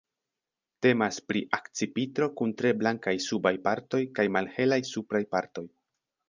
Temas pri akcipitro kun tre blankaj subaj partoj kaj malhelaj supraj partoj.